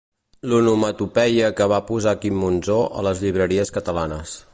L'onomatopeia que va posar Quim Monzó a les llibreries catalanes.